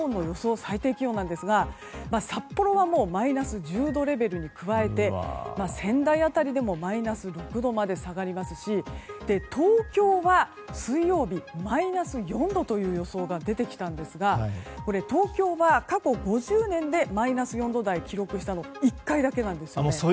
最低気温ですが札幌はマイナス１０度に加えて仙台辺りでもマイナス６度まで下がりますし東京は水曜日、マイナス４度という予想が出てきたんですがこれ、東京は過去５０年でマイナス４度台を記録したのは１回だけなんです。